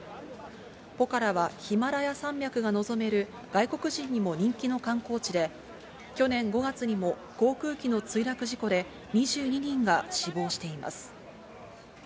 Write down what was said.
ポカラはヒマラヤ山脈が望める外国人にも人気の観光地で、去年５月にも航空機の墜落事故で２２人が死亡しています。